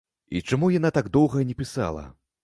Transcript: І чаму яна так доўга не пісала?